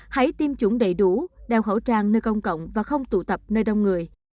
hãy tiêm chủng đầy đủ đeo khẩu trang nơi công cộng và không tụ tập nơi đông người